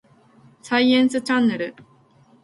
サイエンスチャンネル